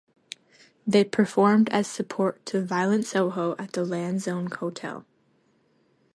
They performed as support to Violent Soho at the Lansdowne Hotel.